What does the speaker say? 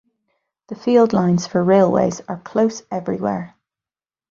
The field lines for railways are close everywhere.